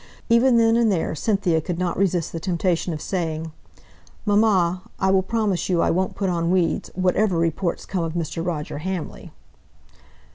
Even then and there Cynthia could not resist the temptation of saying, "Mamma, I will promise you I won't put on weeds, whatever reports come of Mr. Roger Hamley."